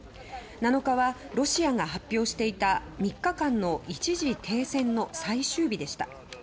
７日はロシアが発表していた３日間の一時停戦の最終日でした。